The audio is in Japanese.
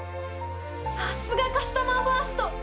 さすがカスタマーファースト！